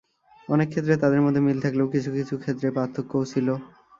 অনেক ক্ষেত্রে তাদের মধ্যে মিল থাকলেও কিছু কিছু ক্ষেত্রে পার্থক্যও ছিল।